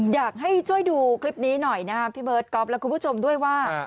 อยากให้ช่วยดูคลิปนี้หน่อยนะครับพี่เบิร์ตก๊อฟและคุณผู้ชมด้วยว่า